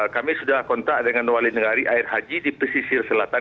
kami sudah kontak dengan wali negari air haji di pesisir selatan